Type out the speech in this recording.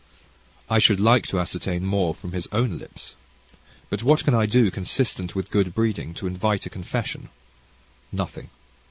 I should like much to ascertain from his own lips. But what can I do consistently with good breeding to invite a confession? Nothing.